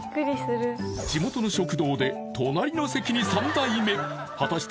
地元の食堂で隣の席に三代目果たして